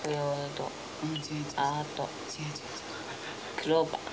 クローバー。